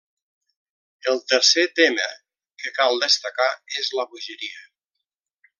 El tercer tema que cal destacar és la bogeria.